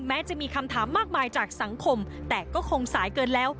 แม้จะมีคำถามมากมายจากสังคมแต่ก็คงสายเกินแล้ว